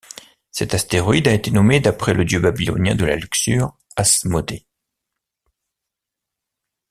Cet astéroïde a été nommé d'après le dieu babylonien de la luxure Asmodée.